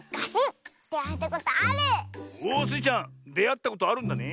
おっスイちゃんであったことあるんだね。